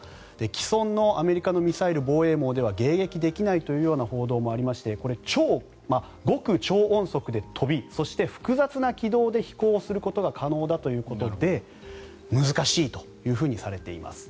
既存のアメリカのミサイル防衛網では迎撃できないという報道もありましてこれは極超音速で飛びそして、複雑な軌道で飛行することが可能だということで難しいというふうにされています。